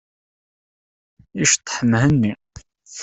Iceṭṭeḥ Mhenni.